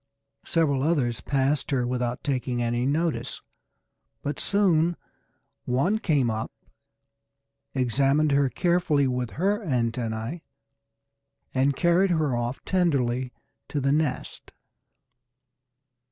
Several others passed her without taking any notice, but soon one came up, examined her carefully with her antennae, and carried her off tenderly to the nest.